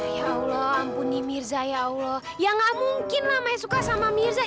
ya allah ampuni mirza ya allah ya gak mungkin namanya suka sama mirza